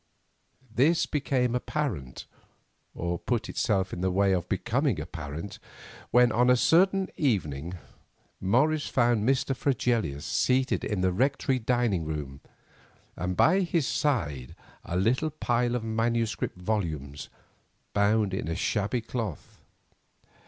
This became apparent, or put itself in the way of becoming apparent, when on a certain evening Morris found Mr. Fregelius seated in the rectory dining room, and by his side a little pile of manuscript volumes bound in shabby cloth.